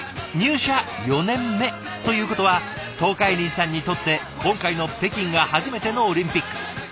入社４年目ということは東海林さんにとって今回の北京が初めてのオリンピック。